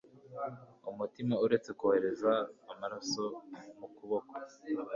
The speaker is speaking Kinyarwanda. Umutima uretse kohereza amaraso mu kuboko